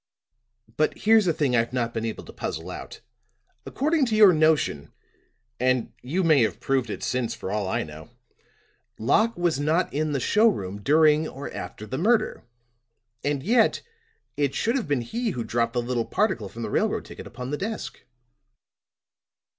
"But here's a thing I've not been able to puzzle out. According to your notion and you may have proved it since, for all I know Locke was not in the showroom during or after the murder. And yet it should have been he who dropped the little particle from the railroad ticket upon the desk."